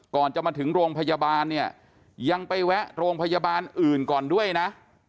ก่อนจะมาถึงโรงพยาบาลเนี่ยยังไปแวะโรงพยาบาลอื่นก่อนด้วยนะ